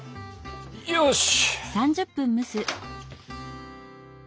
よし！